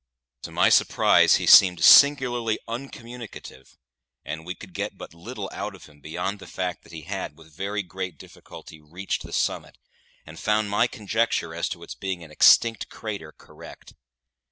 To my surprise, he seemed singularly uncommunicative, and we could get but little out of him beyond the fact that he had, with very great difficulty, reached the summit, and found my conjecture as to its being an extinct crater correct.